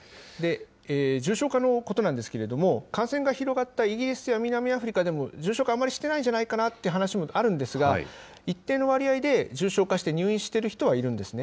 重症化のことなんですけれども、感染が広がったイギリスや南アフリカでも、重症化、あんまりしてないんじゃないかなという話もあるんですが、一定の割合で重症化して、入院してる人はいるんですね。